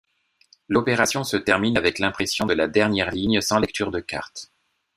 L'opération se termine avec l'impression de la dernière ligne sans lecture de carte.